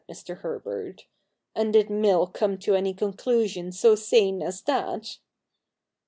said Mr. Herbert ;•' and did Mill come to any conclusion so sane as that ?